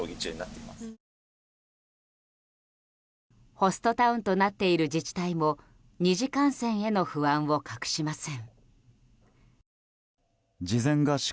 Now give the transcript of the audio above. ホストタウンとなっている自治体も二次感染への不安を隠しません。